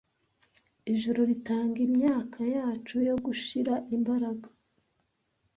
Ijuru ritanga imyaka yacu yo gushira imbaraga